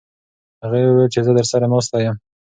هغې وویل چې زه درسره ناسته یم.